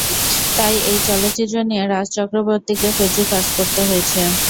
তাই এই চলচ্চিত্র নিয়ে রাজ চক্রবর্তীকে প্রচুর কাজ করতে হয়েছে।